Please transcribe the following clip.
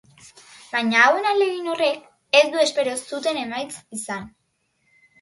Baina hauen ahalegin horrek ez du espero zuten emaitza izan.